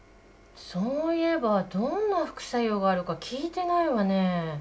そういえばどんな副作用があるか聞いてないわね。